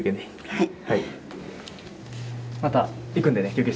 はい。